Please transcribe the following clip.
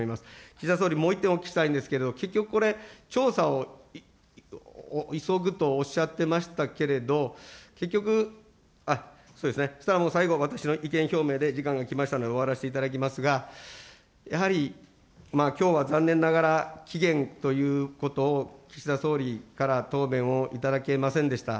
岸田総理、もう一点お聞きしたいんですけれども、結局これ、調査を急ぐとおっしゃってましたけれども、結局、そうですね、最後、私の意見表明で時間が来ましたので、終わらせていただきますが、やはりきょうは残念ながら、期限ということを岸田総理から答弁を頂けませんでした。